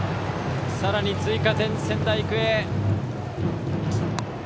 さらに追加点、仙台育英。